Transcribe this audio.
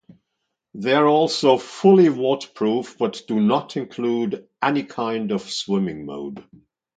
They are also fully waterproof, but do not include any kind of swimming mode.